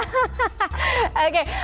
oh itu rahasia perusahaan